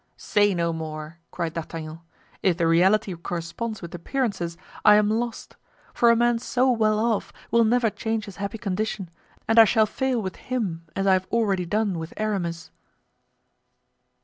"Say no more!" cried D'Artagnan. "If the reality corresponds with appearances I am lost; for a man so well off will never change his happy condition, and I shall fail with him, as I have already done with Aramis."